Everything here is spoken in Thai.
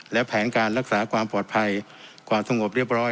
และแผนการรักษาความปลอดภัยความสงบเรียบร้อย